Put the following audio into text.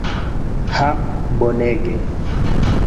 Ha bonege.